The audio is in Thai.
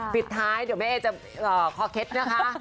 ปิดท้ายเดี๋ยวแม่เอจะคอเคล็ดนะคะ